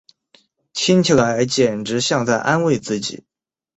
听起来简直像在安慰自己